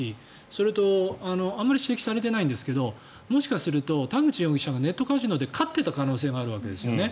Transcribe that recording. それと、あまり指摘されていないんですがもしかすると田口容疑者がネットカジノで勝っていた可能性があるわけですよね。